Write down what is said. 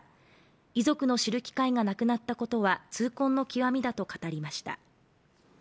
遺族の知る機会がなくなったことは痛恨の極みだと語りました。